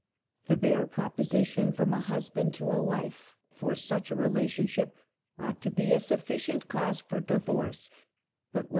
The bare proposition from a husband to a wife for ( such a relationship ought to be a sufficient cause for PROLAPSUS UTERI.